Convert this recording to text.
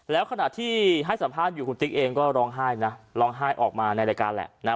แล้วขณะที่ให้สัมภาษณ์อยู่คุณติ๊กเองก็ร้องไห้นะร้องไห้ออกมาในรายการแหละนะ